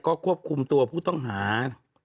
ก็ควบคุมตัวผู้ต้องหา